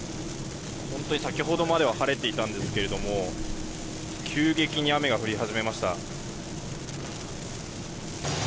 本当に先ほどまでは晴れていたんですが急激に雨が降り始めました。